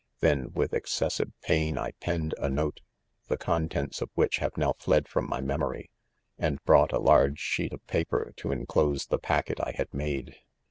—■ Then with excessive pain 1 penned a note, the contents of which have now fled from my mem ory ? and brought a large sheet of paper to en close the packet I had made.